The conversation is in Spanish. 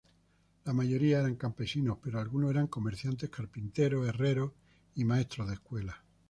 La mayoría eran campesinos, pero algunos eran comerciantes, carpinteros, herreros y maestros de escuelas.